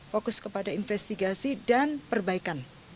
fokus kepada investigasi dan perbaikan